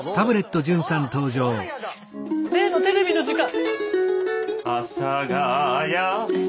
例のテレビの時間。